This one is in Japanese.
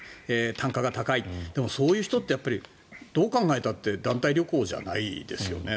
単価が高いそういう人ってどう考えたって団体旅行じゃないですよね。